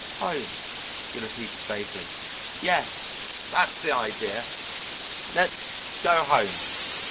"Home," he repeated vaguely; "yes, that's the idea. Let's go home.